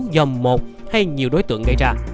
do một hay nhiều đối tượng gây ra